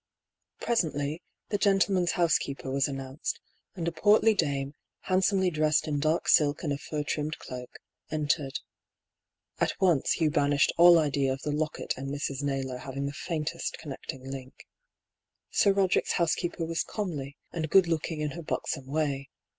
Presently, the "gentleman's housekeeper" was an nounced, and a portly dame, handsomely dressed in dark silk and a fur trimmed cloak, entered. At once PATE. 5 Hugh banished all idea of the locket and Mrs. Naylor having the faintest connecting link. Sir Roderick's housekeeper was comely, and good looking in her buxom way.